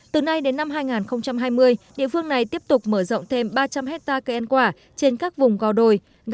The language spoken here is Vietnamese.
từ nay đến năm hai nghìn hai mươi địa phương này tiếp tục mở rộng thêm ba trăm linh hectare cây ăn quả trên các vùng gò đồi